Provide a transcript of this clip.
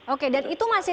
oke dan itu masih